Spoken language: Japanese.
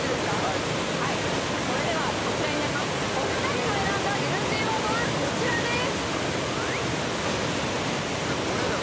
それではこちらになります、お二人の選んだＮＧワードはこちらです。